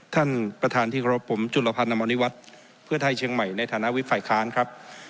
ท่านประธานที่เคารพผมจุลพันธ์อมรณิวัฒน์เพื่อไทยเชียงใหม่ในฐานะวิทย์ฝ่ายค้านครับ